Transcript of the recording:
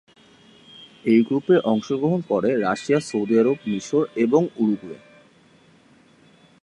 এই গ্রুপে অংশগ্রহণ করে রাশিয়া, সৌদি আরব, মিশর এবং উরুগুয়ে।